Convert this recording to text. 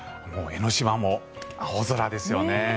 江の島も青空ですよね。